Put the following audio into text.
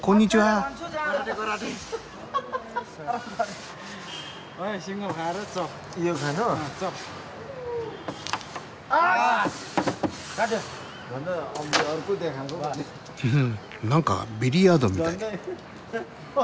ふふ何かビリヤードみたい。